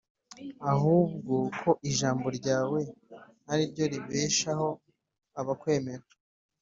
ahubwo ko ijambo ryawe ari ryo ribeshaho abakwemera.